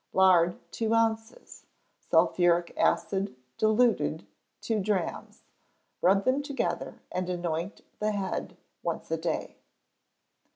Lard, two ounces; sulphuric acid, diluted, two drachms; rub them together, and anoint the head once a day.